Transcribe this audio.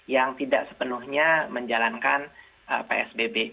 yang tidak sepenuhnya menjalankan psbb